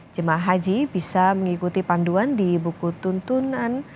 jemaah haji bisa mengikuti panduan di buku tuntunan